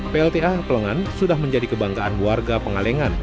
plta plengan sudah menjadi kebanggaan warga pengalengan